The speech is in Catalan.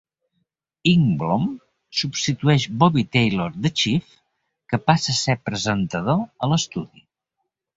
Engblom substitueix Bobby Taylor "The Chief", que passa a ser presentador a l'estudi.